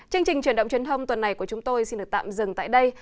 chương trình truyền động truyền thông tuần này của chúng tôi xin được tạm dừng tại đây